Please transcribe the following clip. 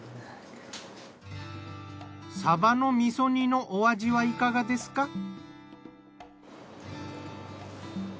サバの味噌煮のお味はいかがですか？